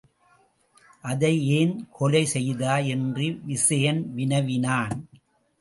அதை ஏன் கொலை செய்தாய்? என்று விசயன் வினவினான்.